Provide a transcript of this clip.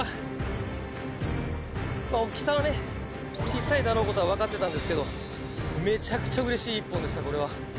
大きさはね小さいだろうことは分かってたんですけどめちゃくちゃうれしい１本でしたこれは。